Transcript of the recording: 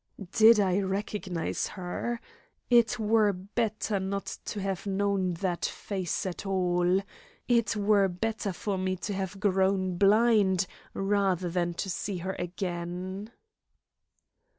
Did I recognise her? It were better not to have known that face at all! It were better for me to have grown blind rather than to see her again!